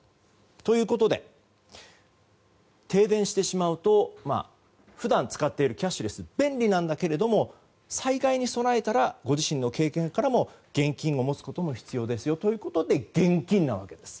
ということで、停電してしまうと普段、使っているキャッシュレス便利なんだけれども災害に備えたらご自身の経験からも現金を持つことも必要ということで現金なわけです。